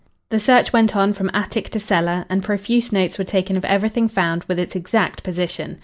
The search went on from attic to cellar, and profuse notes were taken of everything found, with its exact position.